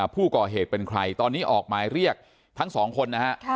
ผู้ก่อเหตุเป็นใครตอนนี้ออกหมายเรียกทั้งสองคนนะฮะ